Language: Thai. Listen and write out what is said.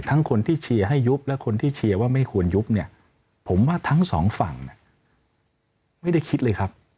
คนที่เชียร์ให้ยุบและคนที่เชียร์ว่าไม่ควรยุบเนี่ยผมว่าทั้งสองฝั่งไม่ได้คิดเลยครับ